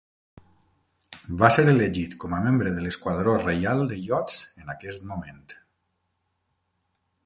Va ser elegit com a membre de l'Esquadró Reial de iots en aquest moment.